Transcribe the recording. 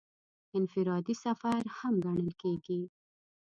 انفرادي سفر هم ګڼل کېږي.